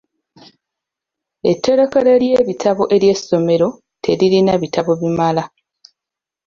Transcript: Etterekero ly'ebitabo ery'essomero teririna bitabo bimala.